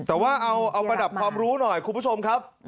แต่ว่าเอาประดับความรู้หน่อยคุณผู้ชมครับ